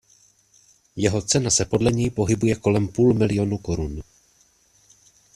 Jeho cena se podle něj pohybuje kolem půl miliónu korun.